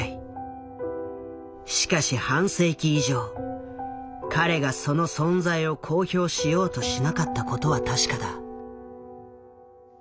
しかし半世紀以上彼がその存在を公表しようとしなかったことは確かだ。